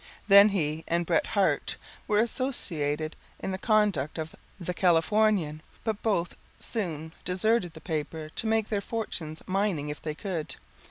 Then he and Bret Harte were associated in the conduct of The Californian, but both soon deserted the paper to make their fortunes mining if they could.